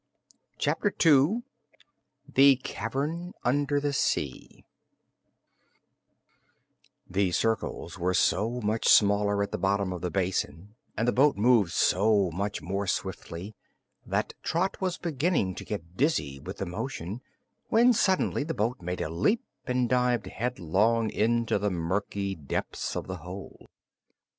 Chapter Two The Cavern Under the Sea The circles were so much smaller at the bottom of the basin, and the boat moved so much more swiftly, that Trot was beginning to get dizzy with the motion, when suddenly the boat made a leap and dived headlong into the murky depths of the hole.